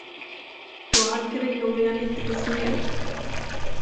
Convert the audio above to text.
Då halkade glorian lite på sned.